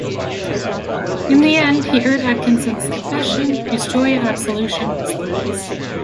In the end he heard Atkinson's confession, whose joy at absolution was luminous.